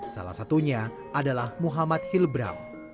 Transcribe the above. salah satunya adalah muhammad hilbram